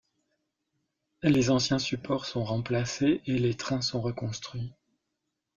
Les anciens supports sont remplacés et les trains sont reconstruits.